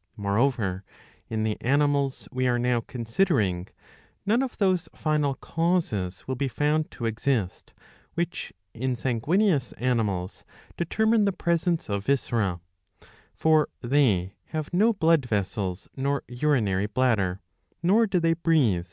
^ Moreover, in the animals we are now considering, none of those final causes will be found to exist, which, in sanguineous animals, determine the presence of viscera. For ' they have no blood vessels nor urinary bladder, nor do they breathe.